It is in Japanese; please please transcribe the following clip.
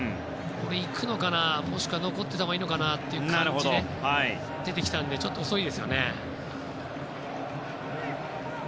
行くのかな、もしくは残っていたほうがいいのかなという感じで出てきたのでちょっと遅いですね。